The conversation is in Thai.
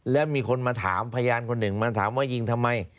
แล้วมีคนมาถามพยานคนหนึ่งมาถามว่ายิงทำไม